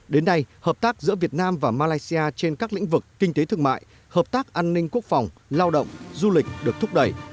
đến nay hợp tác giữa việt nam và malaysia trên các lĩnh vực kinh tế thương mại hợp tác an ninh quốc phòng lao động du lịch được thúc đẩy